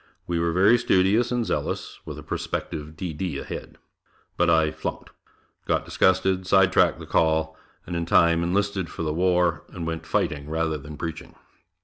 We were very studious and zealous with a prospective D. D. ahead; but, I "flunked," got disgusted, side tracked the call, and in time enlisted for the war and went fighting rather than preaching.